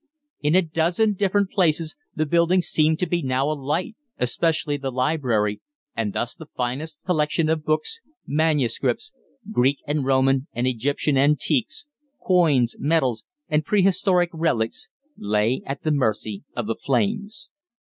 In a dozen different places the building seemed to be now alight, especially the library, and thus the finest collection of books, manuscripts, Greek and Roman and Egyptian antiques, coins, medals, and prehistoric relics, lay at the mercy of the flames.